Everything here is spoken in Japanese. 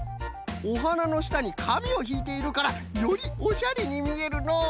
おはなのしたにかみをしいているからよりおしゃれにみえるのう！